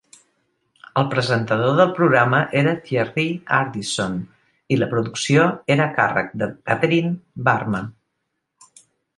El presentador del programa era Thierry Ardisson i la producció era a càrrec de Catherine Barma.